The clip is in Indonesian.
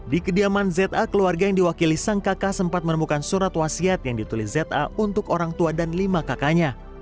di kediaman za keluarga yang diwakili sang kakak sempat menemukan surat wasiat yang ditulis za untuk orang tua dan lima kakaknya